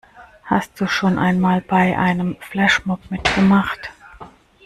Hast du schon einmal bei einem Flashmob mitgemacht?